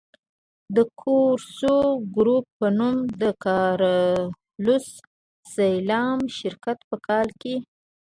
د کورسو ګروپ په نوم د کارلوس سلایم شرکت په کال کې.